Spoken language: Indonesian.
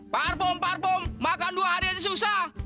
parpom parpom makan dua hari aja susah